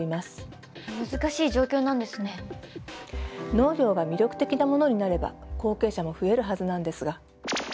農業が魅力的なものになれば後継者も増えるはずなんですが。